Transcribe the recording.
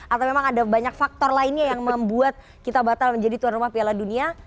atau memang ada banyak faktor lainnya yang membuat kita batal menjadi tuan rumah piala dunia